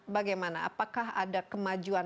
bagaimana apakah ada kemajuan